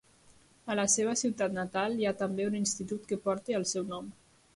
A la seva ciutat natal hi ha també un institut que porta el seu nom.